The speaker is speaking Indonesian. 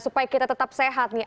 supaya kita tetap sehat nih